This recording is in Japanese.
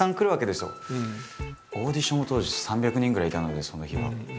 オーディションも当時３００人ぐらいいたのでその日は。